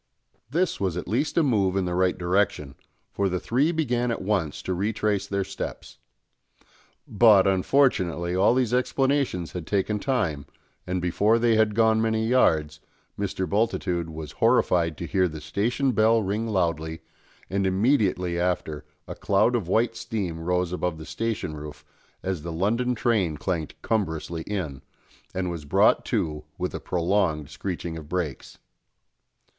This was at least a move in the right direction; for the three began at once to retrace their steps. But, unfortunately, all these explanations had taken time, and before they had gone many yards, Mr. Bultitude was horrified to hear the station bell ring loudly, and immediately after a cloud of white steam rose above the station roof as the London train clanked cumbrously in, and was brought to with a prolonged screeching of brakes.